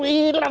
ya hilang sudah